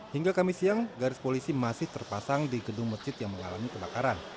hingga kamis siang garis polisi masih terpasang di gedung masjid yang mengalami kebakaran